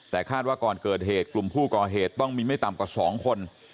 แต่คาดว่าก่อนเกิดเหตุกลุ่มผู้ก่อเหตุต้องมีไม่ต่ำกว่า๒คน